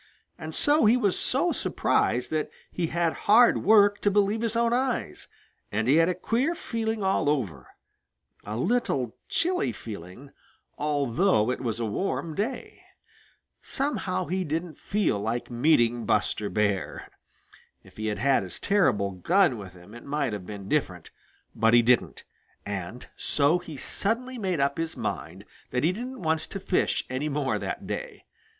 And so he was so surprised that he had hard work to believe his own eyes, and he had a queer feeling all over, a little chilly feeling, although it was a warm day. Somehow, he didn't feel like meeting Buster Bear. If he had had his terrible gun with him, it might have been different. But he didn't, and so he suddenly made up his mind that he didn't want to fish any more that day.